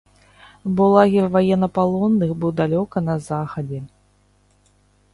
Бо лагер ваеннапалонных быў далёка на захадзе.